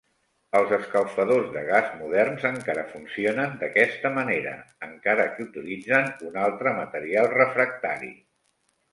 Els escalfadors de gas moderns encara funcionen d'aquesta manera, encara que utilitzen un altre material refractari.